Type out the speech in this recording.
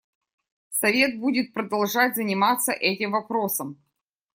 Совет будет продолжать заниматься этим вопросом.